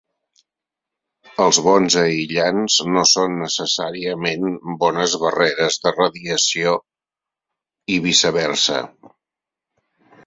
Els bons aïllants no són necessàriament bones barreres de radiació i viceversa.